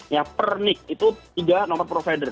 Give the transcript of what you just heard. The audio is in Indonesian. ya pernik itu tiga nomor provider